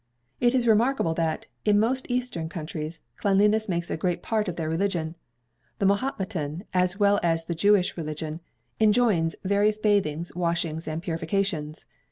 It is remarkable that, in most eastern countries, cleanliness makes a great part of their religion. The Mahometan, as well as the Jewish religion, enjoins various bathings, washings, and purifications.